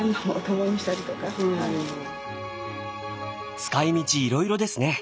使い道いろいろですね。